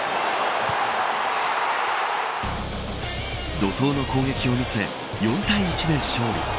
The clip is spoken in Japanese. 怒とうの攻撃を見せ４対１で勝利。